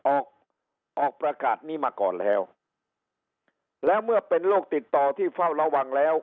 ออกออกประกาศนี้มาก่อนแล้วแล้วเมื่อเป็นโรคติดต่อที่เฝ้าระวังแล้ว